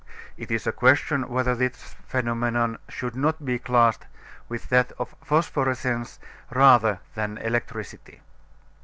(It is a question whether this phenomenon should not be classed with that of phosphorescence rather than electricity.)